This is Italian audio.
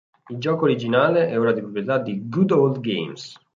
Il gioco originale è ora di proprietà di "Good Old Games".